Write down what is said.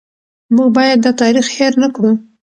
موږ باید دا تاریخ هېر نه کړو.